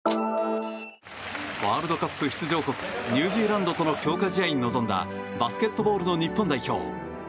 ワールドカップ出場国ニュージーランドとの強化試合に臨んだバスケットボールの日本代表。